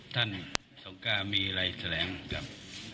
ท่านสงกราศมีอะไรแสดงครับ